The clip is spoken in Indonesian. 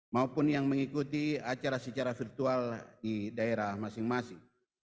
maupun yang mengikuti acara secara virtual di daerah masing masing